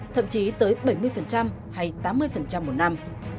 thậm chí tới bảy mươi hay tám mươi một năm